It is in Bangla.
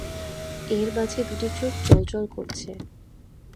এর মাঝে দুটি চোখ জ্বলজ্বল করছে।